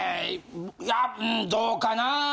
いやうんどうかな？